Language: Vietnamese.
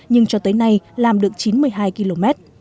nhưng cho tới nay làm được chín mươi hai km